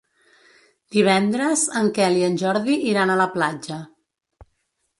Divendres en Quel i en Jordi iran a la platja.